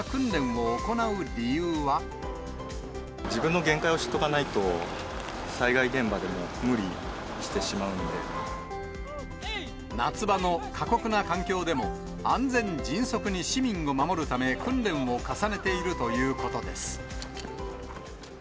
自分の限界を知っとかないと、夏場の過酷な環境でも、安全、迅速に市民を守るため、訓練を重ねているということです。